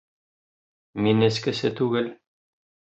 Мин эскесе түгел.